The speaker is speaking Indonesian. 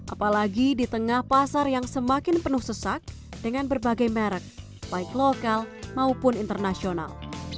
apalagi di tengah pasar yang semakin penuh sesak dengan berbagai merek baik lokal maupun internasional